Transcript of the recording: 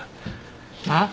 あっ？